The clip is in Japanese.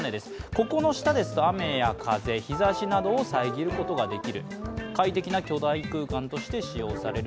ここの下ですと雨や風、日ざしなどを遮ることができる、快適な巨大空間として使用される。